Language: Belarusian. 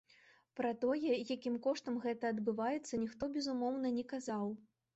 Пра тое, якім коштам гэта адбываецца, ніхто, безумоўна, не казаў.